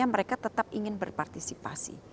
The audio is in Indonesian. karena mereka tetap ingin berpartisipasi